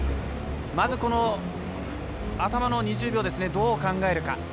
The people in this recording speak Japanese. まず、頭の２０秒どう考えるか。